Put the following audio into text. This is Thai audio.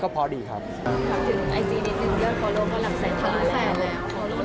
ถามถึงไอจีดินถึงยอดฟอล์โลก็หลักแสนเท่าไหร่